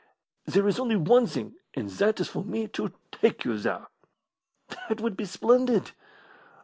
There is only one thing, and that is for me to take you there." "That would be splendid."